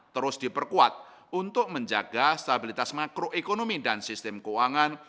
terus diperkuat untuk menjaga stabilitas makroekonomi dan sistem keuangan